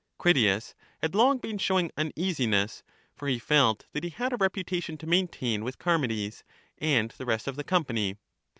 Critias had. long been showing uneasiness, for he felt that he had a reputation to maintain with Char mides and the rest of the company.